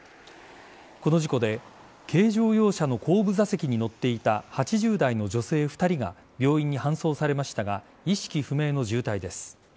この事故で軽乗用車の後部座席に乗っていた８０代の女性２人が病院に搬送されましたが意識不明の重体です。